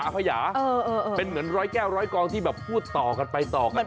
พญาเป็นเหมือนร้อยแก้วร้อยกองที่แบบพูดต่อกันไปต่อกัน